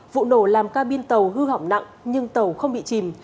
vụ nổ làm ca biên tàu hư hỏng nặng nhưng tàu không bị chìm